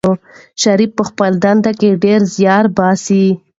شریف په خپله دنده کې ډېر زیار باسي.